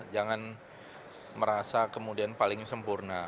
jangan merasa kemudian paling sempurna